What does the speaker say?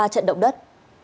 ba trận động đất